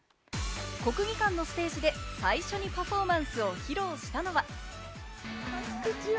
国技館のステージで最初にパフォーマンスを披露したのは。